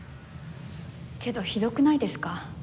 けどひどくないですか？